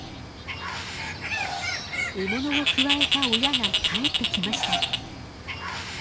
獲物をくわえた親が帰ってきました。